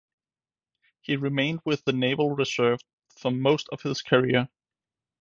He remained with the Naval Reserve for most of his career.